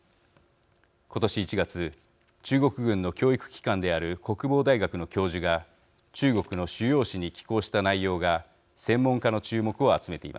ことし１月中国軍の教育機関である国防大学の教授が中国の主要紙に寄稿した内容が専門家の注目を集めています。